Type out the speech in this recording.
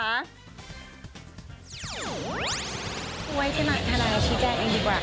ผมไว้ที่มาธนาชีแจงเองดีกว่า